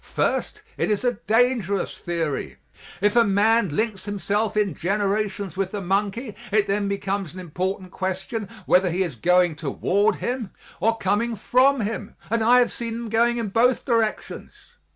First, it is a dangerous theory. If a man links himself in generations with the monkey, it then becomes an important question whether he is going toward him or coming from him and I have seen them going in both directions.